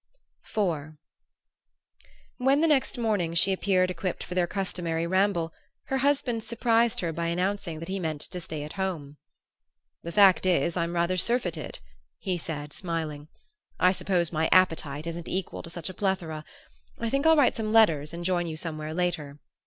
IV When, the next morning, she appeared equipped for their customary ramble, her husband surprised her by announcing that he meant to stay at home. "The fact is I'm rather surfeited," he said, smiling. "I suppose my appetite isn't equal to such a plethora. I think I'll write some letters and join you somewhere later."